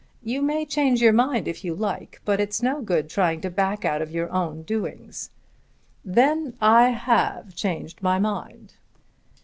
You may change your mind if you like; but it's no good trying to back out of your own doings." "Then I have changed my mind."